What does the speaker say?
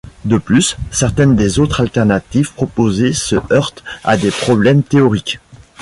De plus, certaines des autres alternatives proposées se heurtent à des problèmes théoriques.